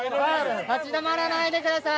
立ち止まらないでください！